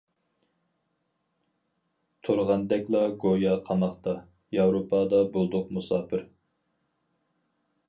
تۇرغاندەكلا گويا قاماقتا، ياۋروپادا بولدۇق مۇساپىر.